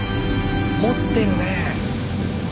持ってるねえ！